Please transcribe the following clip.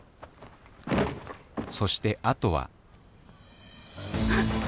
そしてあとはあっ。